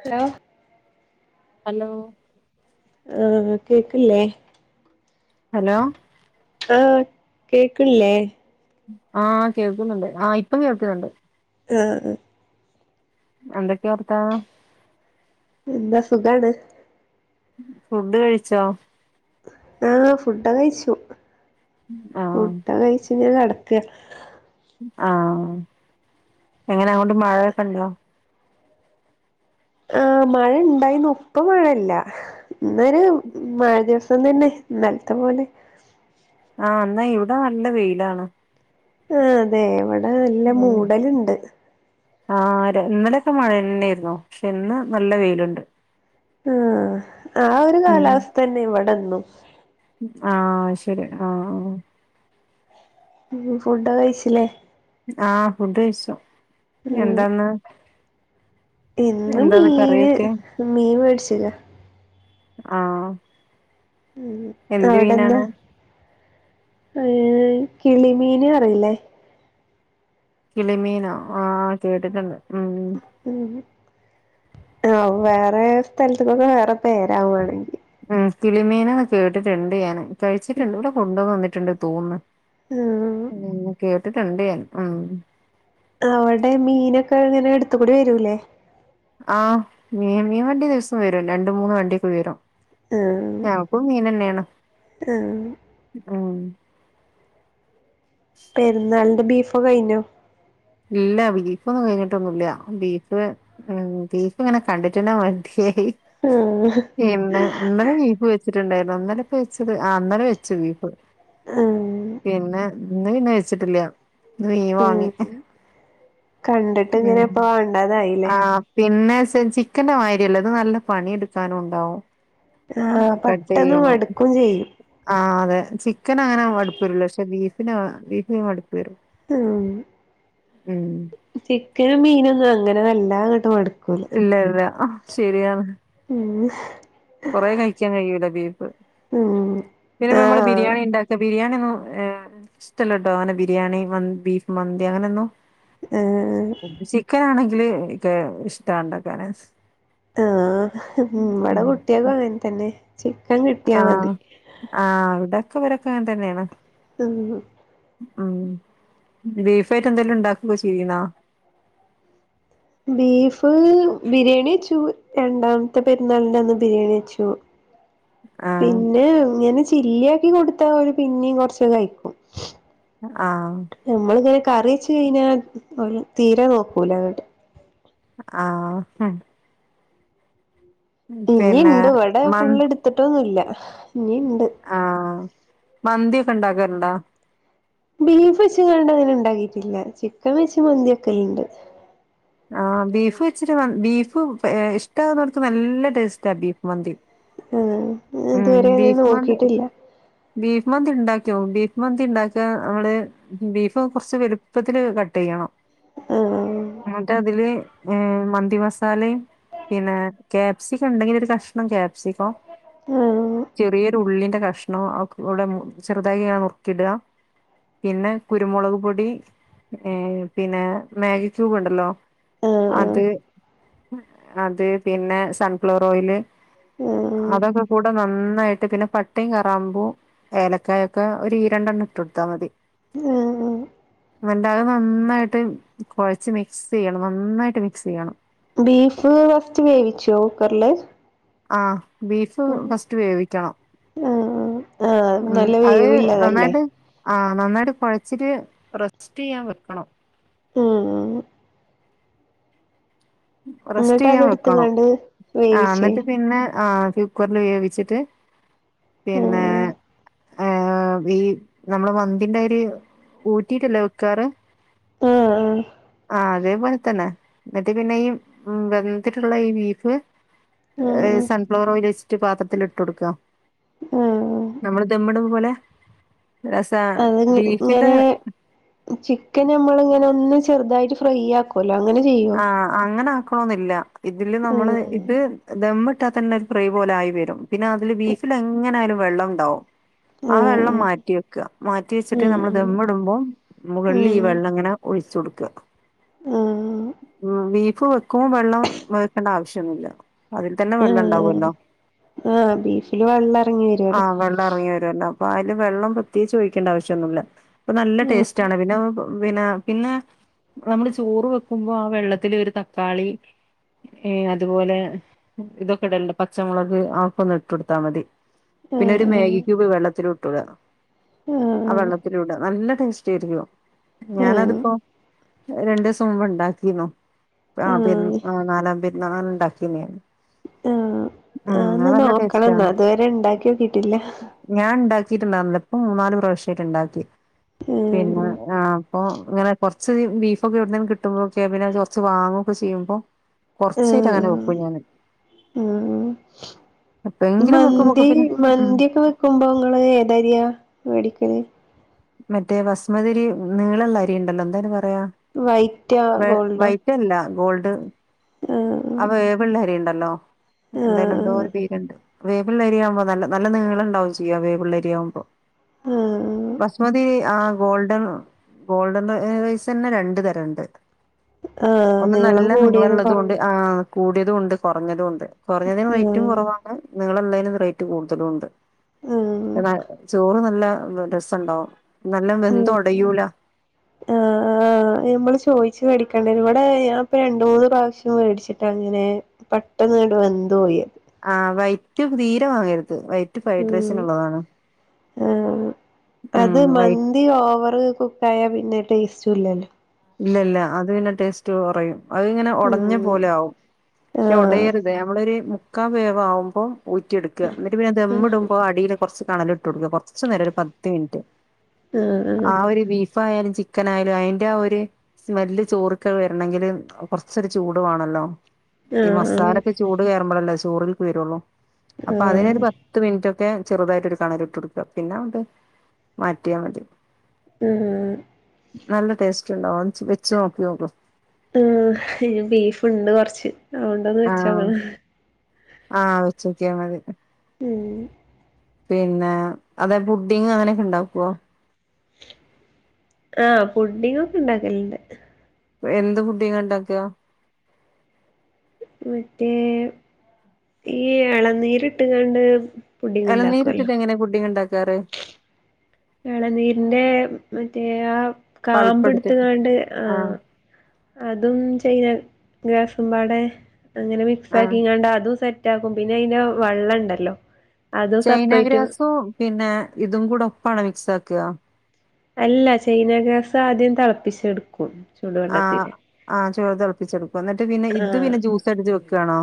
Hello hello ആഹ് കേക്കില്ലേ? Hello hey കേൾക്കിണില്ലേ ആഹ് കേൾക്കുന്നുണ്ട്. ആഹ് ഇപ്പം കേൾക്കുന്നുണ്ട്. ആഹ് എന്തക്കെയാ വർത്തമാനം എന്താ സുഖാണ് ഫുഡ് കഴിച്ചോ ആഹ് ഫുഡൊക്കെ കഴിച്ചു. ആഹ് ഫുഡ് കഴിച്ചു ഇങ്ങനെ കിടക്കുക. ആഹ് എങ്ങനെ അങ്ങോട്ട് മഴയൊക്കെ ഉണ്ടോ. ആ മഴ ഉണ്ടായിരുന്നു. ഇപ്പം മഴയില്ല. ഇന്നൊരു മഴ ദിവസം തന്നെ, ഇന്നലത്തെ പോലെ ആഹ് എന്നാ ഇവിടെ നല്ല വെയിലാണ്. ആ അതെ, ഇവിടെ നല്ല മൂടലുണ്ട് ആ ഇന്നലൊക്കെ മഴ തന്നെയായിരുന്നു. പക്ഷെ ഇന്ന് നല്ല വെയിലുണ്ട്. ഉം. ആ ഒരു ഉം കാലാവസ്ഥ തന്നെ ഇവിടെന്നും ആഹ് ശരി ആഹ്, ആഹ്. ഫുഡ് കഴിച്ചില്ലേ ആഹ് ഫുഡ് കഴിച്ചു. പിന്നെ ഉം എന്താന്ന് ഇന്ന് എന്താന്ന് മീന്, കറിയൊക്കെ മീൻ മേടിച്ചിന് ആ അവിടെ എന്താ, ഏ കിളിമീന് അറിയില്ലേ കിളിമീനോ ആ. കേട്ടിട്ടുണ്ട് ഉം ആ വേറെ സ്ഥലത്തൊക്കെ വേറെ പേരാവുവാണെങ്കിൽ ഉം കിളിമീനെന്ന് കേട്ടിട്ടുണ്ട് ഞാൻ, കഴിച്ചിട്ടുണ്ട്. ഇവിടെ കൊണ്ടു വന്നിട്ടുണ്ട് തോന്നുന്ന് ഉം കിളിമീനെന്ന് കേട്ടിട്ടുണ്ട് ഞാൻ. ഉം. അവിടെ മീനൊക്കെ ഇങ്ങനെ അടുത്തുകൂടി വരൂല്ലേ. ആ മീൻ വണ്ടി ദിവസം വരും. രണ്ട്, മൂന്ന് വണ്ടിയൊക്കെ വരും. ഉം എപ്പഴും മീൻ എന്നെയാണ് ഉം ഉം പെരുന്നാളിന്റെ ബീഫോക്കെ കഴിഞ്ഞോ ഇല്ല ബീഫൊന്നും കഴിഞ്ഞിട്ടൊന്നുമില്ല. ബീഫ് ഉം ബീഫ് ഇങ്ങനെ കണ്ടിട്ട് തന്നെ മതിയായി. ഉം പിന്നെ ഇന്നലെ ബീഫു വെച്ചിട്ടുണ്ടായിരുന്നു. ഇന്നലെ ഒക്കെ വെച്ചത്, ഇന്നലെ വെച്ചു ബീഫ്. ആ പിന്നെ ഇന്ന് പിന്നെ വെച്ചിട്ടില്ല. ഇന്ന് മീൻ വാങ്ങി. ഉം കണ്ടിട്ട് ഇങ്ങനെ ഉം ഇപ്പം വേണ്ടാതായില്ലേ. ആഹ് പിന്നെ ചിക്കന്റെ മാതിരിയല്ല. അത് നല്ല പണിയെടുക്കാനും ഉണ്ടാവും ആ കട്ട് പെട്ടെന്ന് ചെയ്യണം. മടുക്കും ചെയ്യും ആഹ് അതെ ചിക്കൻ അങ്ങനെ മടുപ്പ് വരൂല്ല. പക്ഷെ ബീഫിന് ബീഫിന് മടുപ്പ് വരും. ഉം. ഉം. ചിക്കനും മീനൊന്നും അങ്ങനെ വല്ലാതങ്ങോട്ട് മടുക്കൂല. ഇല്ല ഇല്ല അഹ് ശരിയാണ്. ഉം. കുറെ കഴിക്കാൻ കഴിയൂല ബീഫ്. ഉം പിന്നെപ്പ ആ നമ്മള് ബിരിയാണി ഉണ്ടാക്ക, ബിരിയാണി ഒന്നും ഇഷ്ടല്ല കേട്ടോ, അങ്ങനെ ബിരിയാണി, മന്തി, ബീഫ് മന്തി അങ്ങനെ ഒന്നും. ഏഹ്. ചിക്കൻ ആണെങ്കില് എനിക്ക് ഇഷ്ടാ ഉണ്ടാക്കാന്. ആഹ് മ്മടെ കുട്ട്യേക്കും അങ്ങൻ തന്നെ. ചിക്കൻ കിട്ടിയാ മതി ആഹ് ആഹ് ഇവിടൊക്കെ ഇവരൊക്കെ അങ്ങൻതന്നേണ്. ഉം ഉം ബീഫായിട്ട് എന്തേലും ഉണ്ടാക്കുക ചെയ്തീന്നോ? ബീഫ് ബിരിയാണി വെച്ചു. രണ്ടാമത്തെ പെരുന്നാളിന്റെന്ന് ബിരിയാണി വെച്ചു. ആ പിന്നെ ഇങ്ങനെ ചില്ലിയാക്കി കൊടുത്താ ഓര് പിന്നിം കൊറച്ചൊക്കെ കയ്ക്കും. ആഹ്. നമ്മളിങ്ങനെ കറിച്ച് കഴിഞ്ഞാൽ, ഓര് തീരെ നോക്കൂല അങ്ങോട്ട്. ആഹ്ം പിന്നെ ഇഞ്ഞിണ്ട് ഇവടെ മന് ഫുളള് ട്ത്തിട്ടൊന്നുല്ല ഇനിണ്ട്. ആഹ് മന്തിക്കെ ണ്ടാക്കാറുണ്ടോ? ബീഫ് വെച്ച്ങ്ങാണ്ട് അങ്ങനെ ണ്ടാക്കീട്ടില്ല. ചിക്കൻ വെച്ച് മന്തി വെക്കേലീണ്ട്. ആഹ് ബീഫ് വെച്ചിട്ട് മ ബീഫ് ഇഷ്ടമാവുന്നോര്ക്ക് നല്ല ടേസ്റ്റ ബീഫ് മന്തി. ആഹ് ഞാൻ ഉം ഇതുവരെ ബീഫ് അങ്ങനൊന്നും മന്തി നോക്കിയിട്ടില്ല. ബീഫ് മന്തി ഇണ്ടാക്ക്യോ? ബീഫ് മന്തി ഉണ്ടാക്ക മ്മള് ബീഫ് കൊറച്ച് വലുപ്പത്തില് കട്ടെയ്യണം. ആഹ് ന്നട്ടതില് ഏഹ് മന്തി മസാലേം പിന്നെ ക്യേപ്സിക്ക ഉണ്ടെങ്കിലൊരു കഷ്ണം ക്യാപ്സിക്കോം ആഹ് ചെറിയൊരു ഉള്ളിന്റെ കഷ്ണോം, ഒക്കെക്കൂടെ ചെറുതായി ങ്ങട് നുറുക്കിയിട്ക പിന്നെ കുരുമുളക് പൊടി ഏഹ് പിന്നെ മാഗി ക്യുബ്ണ്ടല്ലോ ആഹ് അത് ആഹ് അത് പിന്നെ സൺഫ്ലവർ ഓയില് ആഹ് അതൊക്കെ കൂടെ നന്നായിട്ട് പിന്നെ പട്ടൈ കാ ഗ്രാമ്പും ഏലക്കായൊക്കെ, ഒരു ഈ രണ്ടെണ്ണം ഇട്ടൊട്ത്താ മതി. ആഹ് ഉം ന്നട്ടത് നന്നായിട്ട് കൊഴച്ച് മിക്സ് ചെയ്യണം. നന്നായിട്ട് മിക്സ് ചെയ്യണം. ബീഫ് ഫസ്റ്റ് വേവിച്ചോ കുക്കറില്? ആഹ് ബീഫ് ആഹ് ഫസ്റ്റ് വേവിക്കണം. ആഹ് ആഹ് ഉം നല്ല അത് വേവില്ലതല്ലേ നന്നായിട്ട് ആഹ് നന്നായിട്ട് കൊഴച്ചിട്ട് റെസ്റ്റ് ചെയ്യാൻ വെക്കണം. ഉം എന്നിട്ട് റെസ്റ്റെയ്യാൻ വെക്കണം അതെടുത്ത്ങ്ങാണ്ട് ആഹ് വേവിച്ചേ എന്നിട്ട് പിന്നെ ആഹ് കുക്കറിൽ വേവിച്ചിട്ട് പിന്നെ ആഹ് ആഹ്ഈ നമ്മള് മന്തിൻ്റാരി ഊറ്റിട്ടല്ലോ വെക്കാറ് ആഹ് ആഹ് അതേ പോലെത്തന്നെ പിന്നെയീ വെന്തിട്ടൊള്ള ഈ ബീഫ് ഏഹ് ആഹ് സൺഫ്ലവറോയിലൊഴിച്ചിട്ട് പാത്രത്തിലിട്ട് കൊടുക്ക ആഹ് നമ്മള് ദമ്മിടും പോലെ രസ [unintelligible] ബീഫിന്റെ ഇങ്ങനെ ചിക്കൻ ഞമ്മള് ഇങ്ങനെ ഒന്ന് ചെറുതായിട്ട് ഫ്രൈയ്യാക്കുവല്ലോ അങ്ങനെ [unintelligible] ആഹ് അങ്ങനെ ആക്കണൊന്നില്ല ഇതില് നമ്മള് ആഹ് ഇത് ദമ്മിട്ടാ തന്നെ ഒരു ഫ്രൈ പോലായി വരും പിന്നെ അതില് ബീഫിലെങ്ങനായാലും വെള്ളം ഉണ്ടാവും ആ വെള്ളം ആഹ് മാറ്റി വെക്ക്ക മാറ്റി വെച്ചിട്ട് ഉം നമ്മള് ദമ്മിടുമ്പോ മുകളിലീ ഉം വെള്ളം ഇങ്ങനെ ഒഴിച്ചു കൊടുക്ക ആഹ് ആഹ് ഉം ബീഫ് വെക്കുമ്പോ വെള്ളം വെക്കേണ്ട ആവശ്യൊന്നുല്ല അതിൽ തന്നെ ആഹ് വെള്ളണ്ടാകുവല്ലോ ആഹ് ബീഫില് വെള്ളം എറങ്ങി വരുവല്ലോ ആഹ് വെള്ളം എറങ്ങി വരുവല്ലോ അപ്പായില് വെള്ളം പ്രത്യേകിച്ച് ഒഴിക്കേണ്ട ആവശ്യൊന്നുല്ല അപ്പൊ നല്ല ടേസ്റ്റാണ് പിന്നെ പിന്നെ പിന്നെ നമ്മള് ചോറ് വെക്കുമ്പോ ആ വെള്ളത്തില് ഒരു തക്കാളി ഏഹ് അതുപോലെ ഇതൊക്കെടല്ണ്ട് പച്ചമുളക് ആക്കൊന്ന് ഇട്ടൊട്ത്താ മതി പിന്നൊരു മേഗിക്യൂബ് വെള്ളത്തിലുട്ടുട ആഹ് വെള്ളത്തിലു ഇട നല്ല ടേസ്റ്റായിരിക്കും ഞാനതിപ്പോ ഒന്ന് രണ്ടൂസം [unintelligible] ഉണ്ടാക്കീന്നു ആഹ് പെരുന് ആഹ് നാലാം പെരുന്നാളിന് ഉണ്ടാക്കീന്നു ഒന്ന് ടേസ്റ്റ് നോക്കണംന്ന് ആണ് ഇതുവരെ ഉണ്ടാക്കിനോക്കിട്ടില്ല ഞാൻ ഉണ്ടാക്കിട്ടുണ്ടായിരുന്നില്ല ഇപ്പ മൂന്നാല് പ്രാവശ്യായിട്ട്ണ്ടാക്കി ഉം പിന്നെ ആഹ് അപ്പൊ ഇങ്ങനെകൊറച്ച് ബീഫ്ക്കെവിടുന്നേലും കിട്ടും കിട്ടുമ്പോക്കെ പിന്നെ കുറച്ച് വാങ്ങുവൊക്കെ ചെയ്യുമ്പോ കുറച്ചായിട്ടങ്ങനെ വെക്കും ഞാന് ഉം ഉം എപ്പെങ്കിലും മന്തി വെക്കുമ്പൊക്കെ പിന്നെ ഉം മന്തി ഒക്കെ വെക്കുമ്പോ ഇങ്ങള് ഏതരിയാ മേടിക്കല് മറ്റേ ബസ്മതിരി നീളള്ള അരി ഇണ്ടല്ലോ എന്തായിന് പറയാ വൈറ്റാ ഗോൾഡോ ഇല്ലില്ല ഗോൾഡ് ആഹ് ആ വേവുള്ള അരിണ്ടല്ലോ എന്തായാലും ആഹ് എന്തോര് പേര് ണ്ട് വേവ്ള്ള അരിയാവുമ്പോ നല്ല നല്ല നീളണ്ടാവും ചെയ്യും വേവുള്ള അരിയാവുമ്പോ ആഹ് ബസ്മതി ആഹ് ഗോൾഡൻ ഗോൾഡൻ റൈ റൈസ് തന്നെ രണ്ട് തരണ്ട് ആഹ് ഒന്ന് നീളം നല്ല കൂടിയതും നീളള്ളതും ഒണ്ട് കൊറഞ്ഞ ആഹ് കൂടിയതും ഉണ്ട് കൊറഞ്ഞതും ഉണ്ട് കൊറഞ്ഞതിന് റേറ്റും കൊറവാണ് നിളള്ളതിന് റേറ്റ് കൂടുതലും ഉണ്ട് ആഹ് [unintelligible] ചോറ് നല്ല രസണ്ടാവും നല്ല വെന്ത് ഉം ഒടയൂല ആഹ് ആഹ് ആഹ് ഇത് മ്മള് ചോയിച്ചു മേടിക്കേണ്ടണ് ഇവിടെ ഞാൻ ഇപ്പ രണ്ട് മൂന്ന് പ്രാവശ്യം മേടിച്ചിട്ടാണ്ങ്ങനെ പെട്ടെന്ന്ങ്ങട് വെന്തു പോയി ആഹ് വൈറ്റും തീരെ വാങ്ങരുത് വൈ വൈറ്റ് ഫ്രൈഡ് ഉം റൈസിനുള്ളതാണ് ആഹ് ഉം അത് വൈ [unintelligible] ഓവറ് കുക്കായ പിന്നെ ടേസ്റ്റും ഇല്ലല്ലോ ഇല്ല ഇല്ല അത് പിന്നെ ടേസ്റ്റ് കൊറയും അതിങ്ങനെ ഒടഞ്ഞ ഉം പോലെ ആകും പക്ഷെ ആഹ് ഒടയര് ത് അമ്മളൊരു മുക്കാ വേവാവുമ്പോ ഊറ്റിയെടുക്കുക എന്നിട്ട് പിന്നെ ദമ്മിടുമ്പോ അടിയി കൊറച്ചു കണല് ഇട്ട് കൊടുക്കുക കൊറച്ച് നേരം ഒരു പത്ത് മിനിറ്റ് ആഹ് ഒരു [unintelligible] ഫ് ആയാലും ചിക്കനായാലും അയിന്റെ ആ ഒരു സ്മെല്ല് ചോറക്കെ വെരണെങ്കില് കൊറച്ചൊരു ചൂട് വേണല്ലോ ഈ ആഹ് മസാലൊക്കെ ചൂട് കയറുമ്പോഴല്ലേ ചോറില്ക്ക് വരുള്ളൂ അപ്പൊ അതിനൊരു ആഹ് പ പത്ത് മിനിറ്റൊക്കെ ചെറുതായിട്ട് ഒരു കണല് ഇട്ട് കൊടുക്കുക പിന്നെ അത് മാറ്റിയാൽ മതി ഉം നല്ല ടേസ്റ്റ് ഉണ്ടാവും വെച്ച് നോക്കി നോക്ക് ആഹ് ഇനി ബീഫ്ണ്ട് കൊറച്ച് അതു കൊണ്ടൊന്ന് ആഹ് വെച്ചോക്കണം ആഹ് വച്ചോക്കിയാൽ മതി ഉം പിന്നെ അതെ പുഡിങ് അങ്ങനെയൊക്കെ ഇണ്ടാക്കുവോ ആഹ് പുഡിങ്ങ് ഒക്കെ ഇണ്ടാക്കലുണ്ട് എന്ത് പുഡ്ഡിംങാ ഇണ്ടാക്കുക മറ്റേ ഈ ഇളനീര് ഇട്ട്ങ്ങാണ്ട് എളനീര് ഇട്ടിട്ട് എങ്ങനെ പുഡ്ഡിംഗ് ഉണ്ടാക്കാറ് എളനീരിന്റെ മറ്റേ ആ കാമ്പ് പൾപ്പെടുത്തിട്ട് എടുത്തുംങ്ങാണ്ട് ആഹ് അതും ചൈന ഗ്രാസും പാടെ അങ്ങനെ മിക്സ് ആഹ് ആക്കിങ്ങാണ്ട് അതും സെ റ്റാക്കും പിന്നെ അയിന്റെ വെള്ളം ഇണ്ടല്ലോ അത് ചൈന സപ്പറേറ്റ് ഗ്രാസും പിന്നെ ഇതും കൂടെ ഒപ്പാണോ മിക്സ് ആക്കുക അല്ല ചൈന ഗ്രാസ് ആദ്യം തെളപ്പിച്ചെടുക്കും ആഹ് ചൂടുവെള്ളത്തില് ആഹ് [unintelligible] തെളപ്പിച്ചെടുക്കും എന്നിട്ട് പിന്നെ ഇത് ആഹ് പിന്നെ ജ്യൂസ് അടിച്ച് വെക്കുകാണോ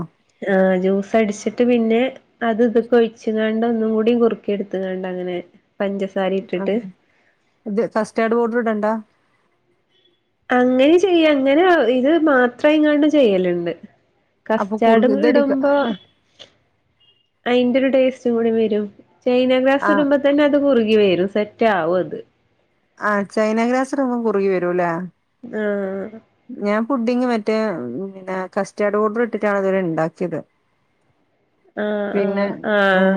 ആഹ് ജ്യൂസ് അടിച്ചിട്ട് പിന്നെ അത് ഇതൊക്കൊഴിച്ചുംങ്ങാണ്ട് ഒന്നും കൂടീം കുറക്കിയെടുത്തുംങ്ങാണ്ട് അങ്ങനെ പഞ്ചസ് ആഹ് ഇത് കസ്റ്റാർഡ് പൌഡർ ഇടണ്ടാ അങ്ങനെയും ചെയ്യ അങ്ങനെ ഇത് മാത്രം ആയിങ്ങാണ്ട് ചെയ്യല്ണ്ട് അപ്പൊ കസ്റ്റാഡ് കുറുകി ഇതൊരു ഇടുമ്പോ അതിന്റെ ഒരു ടേസ്റ്റ് കൂടി വരും ചൈന ഗ്രാസ് ആഹ് ഇടുമ്പ തന്നെ അത് കുറുകി വരും സെറ്റാവും അത് ആഹ് ചൈന ഗ്രാസ് ഇടുമ്പം കുറുകി വരുല്ലേ? ആഹ് ഞാൻ പുഡിങ്ങ് മറ്റേ പിന്നെ കസ്റ്റാർഡ് പൗഡർ ഇട്ടിട്ടാണ് ഇതുവരെണ്ടാക്കിയത്. ആഹ് ആഹ് ആഹ്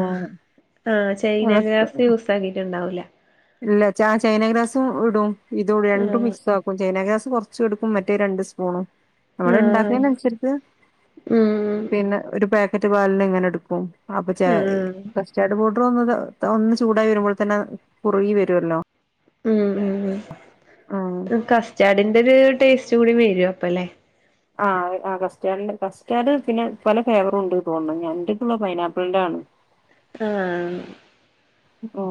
ആഹ് ചൈന ഗ്രാസ് യൂസാക്കിയിട്ടുണ്ടാവൂല്ല, ഇല്ല ചൈന ഗ്രാസും ഇടും ഇതും രണ്ടും ആഹ് മിക്സ് ആക്കും. ചൈനാ ഗ്രാസ് കൊറച്ചും എടുക്കും മറ്റേ രണ്ട് സ്പൂണും നമ്മള് ആഹ് ഇണ്ടാക്കുന്നതിനനുസരി ച്ച് ഉം പിന്നെ ഒരു പാക്കറ്റ് പാലിന് ഇങ്ങനെ എടുക്കും അപ്പൊ ച ആഹ് കസ്റ്റാർഡ് പൗഡർ ഒന്ന് ഒന്ന് ചൂടായി വരുമ്പോ തന്നെ കുറുകി വരൊല്ലോ, ഉം ആഹ് ഉം കസ്റ്റാർഡിന്റെ ഒരു ടേസ്റ്റ് കൂടി വരൂ അപ്പ ല്ലേ, ആഹ് ആ കസ്റ്റാർഡിന്റെ കസ്റ്റാർഡ് പിന്നെ പല ഫ്ലേവറും ഉണ്ട് തോന്ന്ണ് ഞാ എന്റടുത്തുള്ളത് പൈനാപ്പിളിന്റെ ആണ്. ആഹ് അപ്പോ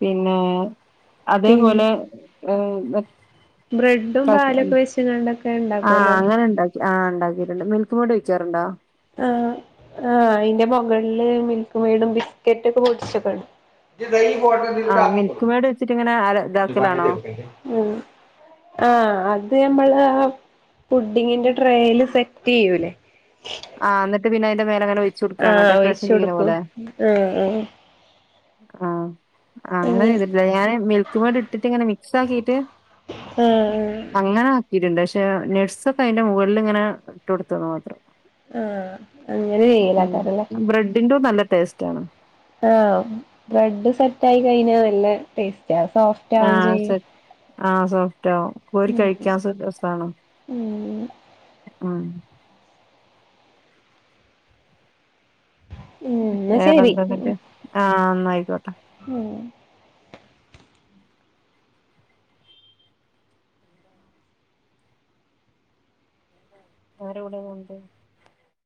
പിന്നെ പിന്നെ അതേപോലെ ഏഹ് ബ്രെഡും പാലൊക്കെ വെച്ച്കാണ്ടൊക്കെ ആഹ് ഉണ്ടാക്കുമല്ലോ അങ്ങനെ ഉണ്ടാക്കി ആഹ് ഇണ്ടാക്കിയിട്ടുണ്ട് മിൽക്ക് മേഡ് ഒഴിക്കാറുണ്ടോ? ആഹ് ആഹ് അയിന്റെ മുകളില് മിൽക്ക് മേഡും ബിസ്ക്കറ്റൊക്കെ പൊടിച്ചൊക്കെടും. ഇജ് ദാ ഈ ഫോട്ടോ ഇതിലേക്ക് ആഹ് ആക്കിക്കോ മിൽക്ക് മേഡ് വെച്ചിട്ട് ഇങ്ങനെ ഇതാക്കലാണോ [unintelligible] ആഹ് അത് നമ്മള് ഫുഡിങ്ങിന്റെ ട്രെയില് സെറ്റ് ചെയ്യൂല്ലേ, ആഹ് എന്നിട്ട് പിന്നെ അതിന്റെ മേലങ്ങനെ ഒഴിച്ച് കൊടുക്കണോ ആഹ് ഡെക്കറേഷൻ ഒഴിച്ചു ചെയ്യുന്ന കൊടുക്കും പോലെ, ആഹ് ആഹ് ആഹ് അങ്ങനെ ചെയ്തിട്ടില്ല ഞാൻ മിൽ ഇത് പാടെ ഇട്ടിട്ടിങ്ങനെ മിക്സാക്കിട്ട് ആഹ് ആഹ് അങ്ങനാ ഇടിണ്ട് പക്ഷെ നട്സൊക്കെ അയിന്റെ മുകളിലിങ്ങനെ ഇട്ടൊട്ത്ത്ന്ന് മാത്രം. ആഹ് അങ്ങനെ ഉം ചെയ്യലാക്കാരല്ലേ ബ്രെഡിന്റു നല്ല ടേസ്റ്റ് ആണ് ആഹ് ബ്രെഡ് സെറ്റായി കഴിഞ്ഞാ നല്ല ടേസ്റ്റാ സോഫ് ആഹ് സെ ആഹ് സോഫ്റ്ഠാവും കോരി ഉം കഴിക്കാൻ സുഖ സാണ്. ഉം ആഹ് ഉം ന്നാ ശരി വേറെന്താന്ന്ട്ട് ആഹ് ന്നായിക്കോട്ടെ ഉം വേറെ ഇവിടെന്നുണ്ട്